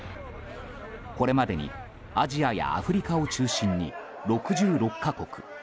これまでにアジアやアフリカを中心に６６か国。